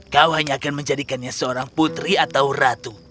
kau hanya akan menjadikannya seorang putri atau ratu